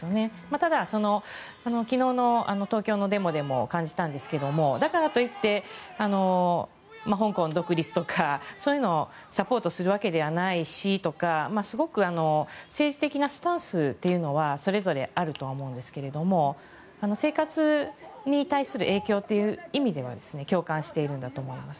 ただ、昨日の東京のデモでも感じたんですけどもだからといって香港独立とかそういうのをサポートするわけではないしとかすごく政治的なスタンスというのはそれぞれあるとは思うんですが生活に対する影響という意味では共感しているんだと思います。